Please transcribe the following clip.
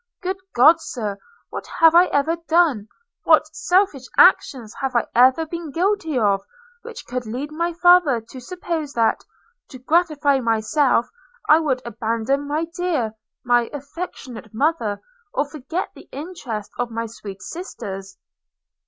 – Good God, Sir! what have I ever done, what selfish actions have I ever been guilty of, which could lead my father to suppose that, to gratify myself, I would abandon my dear – my affectionate mother, or forget the interest of my sweet sisters?'